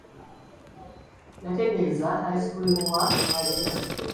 Yeetegereza ice cream wa Ajua.